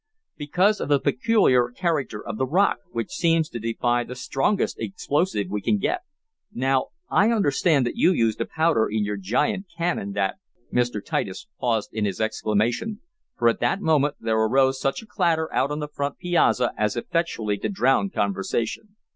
"Because of the peculiar character of the rock, which seems to defy the strongest explosive we can get. Now I understand you used a powder in your giant cannon that " Mr. Titus paused in his explanation, for at that moment there arose such a clatter out on the front piazza as effectually to drown conversation.